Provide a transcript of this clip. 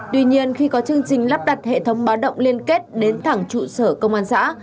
tuy nhiên khi có chương trình lắp đặt hệ thống báo động liên kết đến thẳng trụ sở công an xã